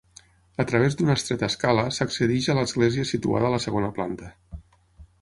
A través d'una estreta escala s'accedeix a l'església situada a la segona planta.